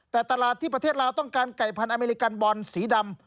แต่ตลาดที่ประเทศลาวต้องการไก่พันธ์อเมริกันบอลสีดำ